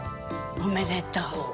おめでとう。